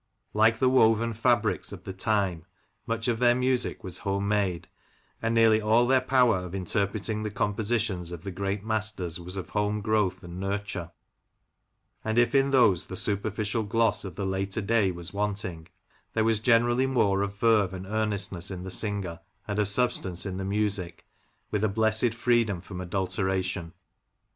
Like the woven fabrics of the time, much of their music was home made, and nearly all their power of interpreting the compositions of the great masters was of home growth and nurture ; and if in those the super ficial gloss of the later day was wanting, there was generally more of verve and earnestness in the singer, and of substance in the music, with a blessed freedom from adulteration.